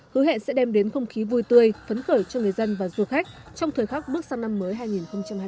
hứa hẹn sẽ đem đến không khí vui tươi phấn khởi cho người dân và du khách trong thời khắc bước sang năm mới hai nghìn hai mươi